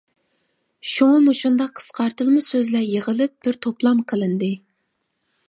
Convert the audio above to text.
شۇڭا مۇشۇنداق قىسقارتىلما سۆزلەر يىغىلىپ، بىر توپلام قىلىندى.